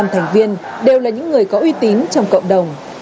một mươi năm thành viên đều là những người có uy tín trong cộng đồng